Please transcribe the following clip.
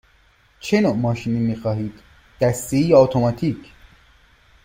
چه نوع ماشینی می خواهید – دستی یا اتوماتیک؟